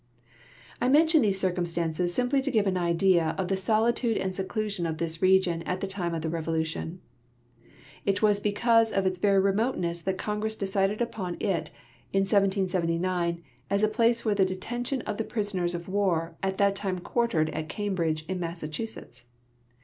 I mention these circumstances simply to give an idea of the solitude and seclusion of this region at the time of the Revolution. It Avas because of its very remoteness that Congress decided upon it, in 1779, as a j)lace for the detention of the jirisoners of Avar at that time quartered at Cambridge, in IMassachusetts.